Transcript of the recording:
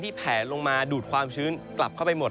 แผลลงมาดูดความชื้นกลับเข้าไปหมด